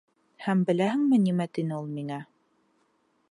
Һәм беләһеңме, нимә тине ул миңә?